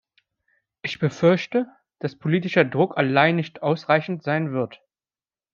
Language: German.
Ich befürchte, dass politischer Druck allein nicht ausreichend sein wird.